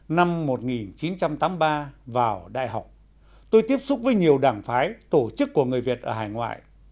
năm một nghìn chín trăm tám mươi ba vào đại học tôi tiếp xúc với nhiều đảng phái tổ chức của người việt ở hải ngoại